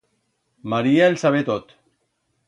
María el sabe tot.